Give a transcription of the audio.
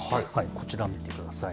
こちら見てください。